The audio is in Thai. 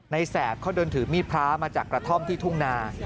แสบเขาเดินถือมีดพระมาจากกระท่อมที่ทุ่งนา